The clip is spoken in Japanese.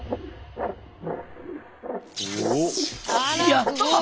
やった！